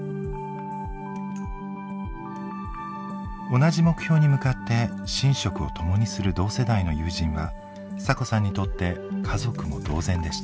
同じ目標に向かって寝食を共にする同世代の友人はサコさんにとって家族も同然でした。